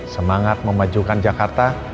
semangat memajukan jakarta